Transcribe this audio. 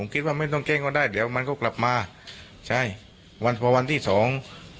แกล้งก็ได้เดี๋ยวมันก็กลับมาใช่วันพอวันที่สอง